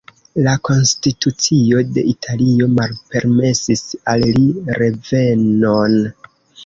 La konstitucio de Italio malpermesis al li revenon.